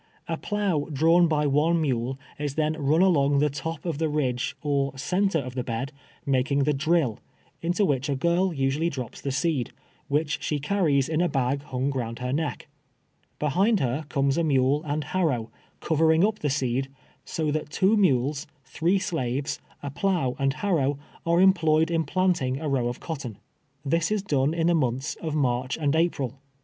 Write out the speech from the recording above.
A plough drawn by one mule is thiMi run along the top of the ridge or center of the bed, making the drill, into which a girl usually drops the seed, which she carries in a bag hung round her neck. Behind her comes a mule and liarrow, covering up the seed, so that two mules, three shives, a plough and harrow, are employed in planting a row of cotton. This is done in the months of March and April.